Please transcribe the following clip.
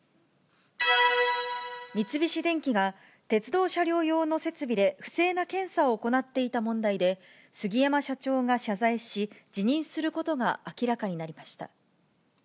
三菱電機が鉄道車両用の設備で不正な検査を行っていた問題で、杉山社長が謝罪し、辞任することが明らかになりました。